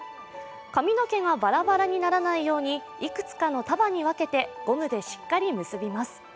髪の毛がバラバラにならないようにいくつかの束に分けてゴムでしっかり結びます。